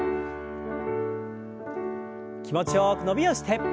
気持ちよく伸びをして。